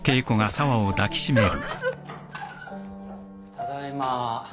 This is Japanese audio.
ただいま。